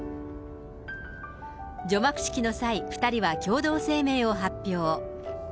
除幕式の際、２人は共同声明を発表。